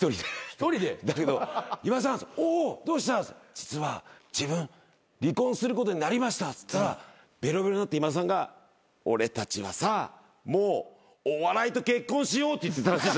「実は自分離婚することになりました」っつったらベロベロになった今田さんが「俺たちはさもうお笑いと結婚しよう」って言ってたらしい。